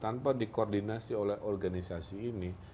tanpa dikoordinasi oleh organisasi ini